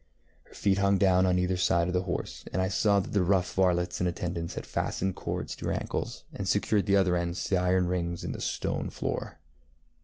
Her feet hung down on either side of the horse, and I saw that the rough varlets in attendance had fastened cords to her ankles and secured the other ends to iron rings in the stone floor.